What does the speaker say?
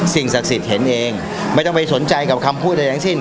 สิ่งศักดิ์สิทธิ์เห็นเองไม่ต้องไปสนใจกับคำพูดใดทั้งสิ้น